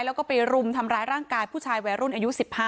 แล้วก็ไปรุมทำร้ายร่างกายผู้ชายวัยรุ่นอายุ๑๕